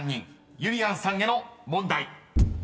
［ゆりやんさんへの問題］